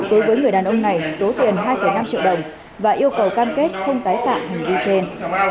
đối với người đàn ông này số tiền hai năm triệu đồng và yêu cầu cam kết không tái phạm hành vi trên